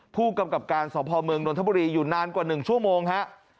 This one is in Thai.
ผู้กำกับการสอบภอมเมืองโดนทบุรีอยู่นานกว่า๑ชั่วโมงครับ